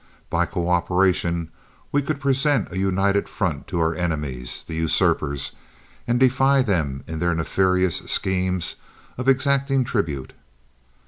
By coöperation we could present a united front to our enemies, the usurpers, and defy them in their nefarious schemes of exacting tribute.